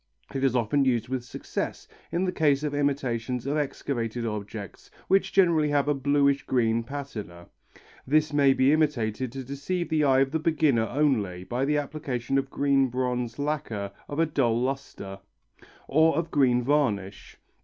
It is often used with success in the case of imitations of excavated objects which generally have a bluish green patina. This may be imitated to deceive the eye of the beginner only, by the application of green bronze lacquer of a dull lustre, or of green varnish.